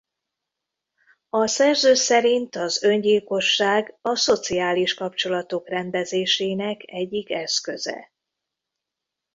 A szerző szerint az öngyilkosság a szociális kapcsolatok rendezésének egyik eszköze.